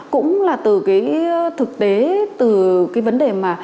cũng là từ cái thực tế từ cái vấn đề mà